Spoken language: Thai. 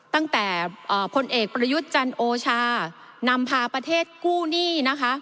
ตั้งแต่พลเอกประยุทธ์จันโอชานำพาประเทศกู้หนี้นะคะ